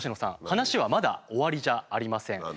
話はまだ終わりじゃありません。